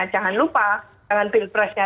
jangan lupa dengan pilpresnya